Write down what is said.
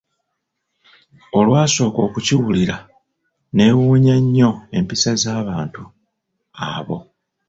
Olwasooka okukiwulira neewuunya nnyo empisa z'abantu abo.